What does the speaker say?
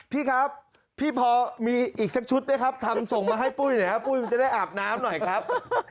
พี่ครับพี่พอมีอีกสักชุดไหมครับทำส่งมาให้ปุ้ยหน่อยครับปุ้ยมันจะได้อาบน้ำหน่อยครับ